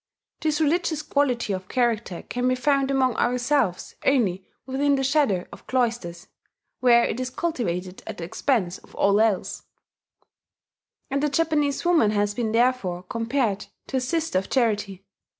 This religious quality of character can be found among ourselves only within the shadow of cloisters, where it is cultivated at the expense of all else; and the Japanese woman has been therefore compared to a Sister of Charity.